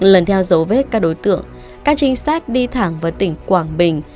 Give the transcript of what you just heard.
lần theo dấu vết các đối tượng các trinh sát đi thẳng vào tỉnh quảng bình